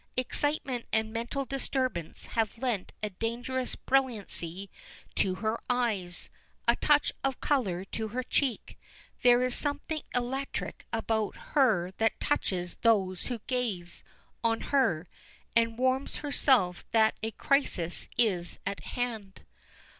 Excitement and mental disturbance have lent a dangerous brilliancy to her eyes, a touch of color to her cheek. There is something electric about her that touches those who gaze, on her, and warns herself that a crisis is at hand.